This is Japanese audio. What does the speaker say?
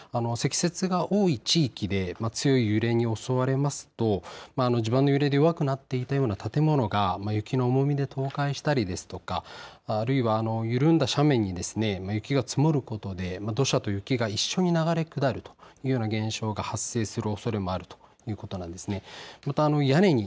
積雪が多い地域で強い揺れに襲われますと地盤の揺れで弱くなっていたような建物が雪の重みで倒壊したりですとかあるいは緩んだ斜面にですね雪が積もることで土砂と雪が一緒に流れ下るというような現象が発生するおそれもあるということなんですね。